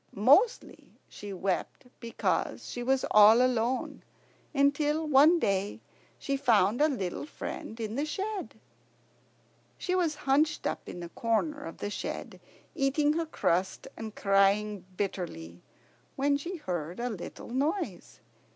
Mostly she wept because she was all alone, until one day she found a little friend in the shed. She was hunched up in a corner of the shed, eating her crust and crying bitterly, when she heard a little noise.